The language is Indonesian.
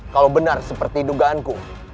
kalau benar seperti dugaanku